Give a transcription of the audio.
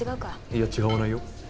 いや違わないよ。